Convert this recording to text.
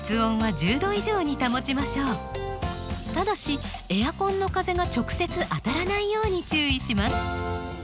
ただしエアコンの風が直接当たらないように注意します。